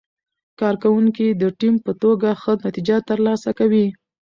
کارکوونکي د ټیم په توګه ښه نتیجه ترلاسه کوي